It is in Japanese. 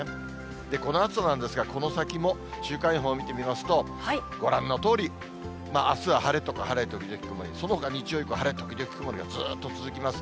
この暑さなんですが、この先も週間予報を見てみますと、ご覧のとおり、あすは晴れとか晴れ時々曇り、そのほか日曜日も、晴れ時々曇りがずっと続きます。